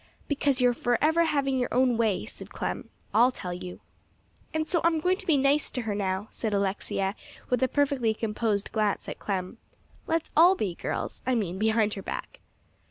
"Because you're forever having your own way," said Clem; "I'll tell you." "And so I'm going to be nice to her now," said Alexia, with a perfectly composed glance at Clem. "Let's all be, girls. I mean, behind her back."